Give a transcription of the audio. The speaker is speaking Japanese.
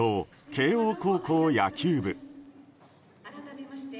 ・慶応高校野球部。